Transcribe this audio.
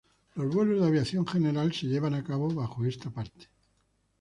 Los vuelos de aviación general se llevan a cabo bajo esta parte.